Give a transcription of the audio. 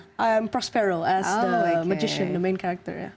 saya prospiro sebagai penyanyi sebagai karakter utama